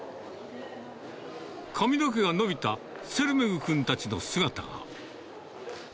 髪の毛が伸びたツェルメグ君たちの姿が。